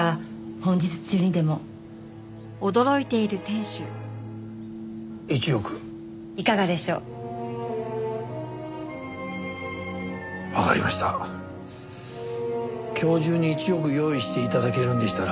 今日中に１億用意して頂けるんでしたら。